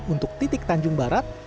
untuk titik tanjung barat